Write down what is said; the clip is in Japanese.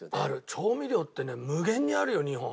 調味料ってね無限にあるよ日本。